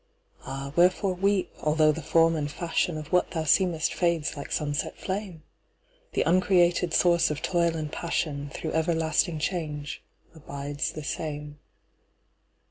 Ah, wherefore weep, although the form and fashionOf what thou seemest fades like sunset flame? The uncreated Source of toil and passionThrough everlasting change abides the same.